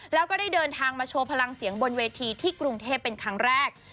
แล้วก็ได้เดินทางมาโชว์พลังเสียงบนเวทีที่กรุงเทพเป็นครั้งแรก